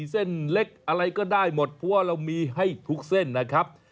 เส้นเล็กอะไรก็ได้หมดเพราะว่าเรามีให้ทุกเส้นนะครับ